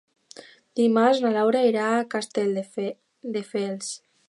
Dimarts na Laura irà a Castelldefels.